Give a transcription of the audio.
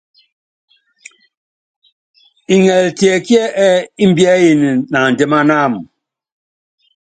Ngɛli tiɛkíɛ́ ɛ́ɛ́ imbiɛyini naandiman wam?